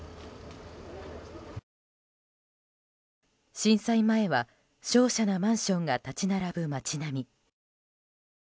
震災前はしょうしゃなマンションが立ち並ぶ街並み。